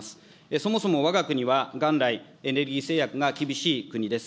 そもそもわが国は、元来、エネルギー制約が厳しい国です。